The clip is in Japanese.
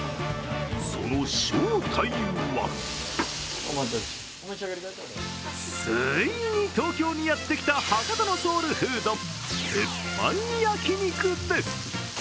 その正体はついに東京にやってきた博多のソウルフード、鉄板焼肉です。